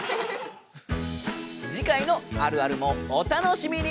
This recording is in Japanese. じかいの「あるある」もお楽しみに。